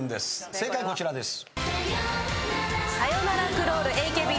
正解こちらです。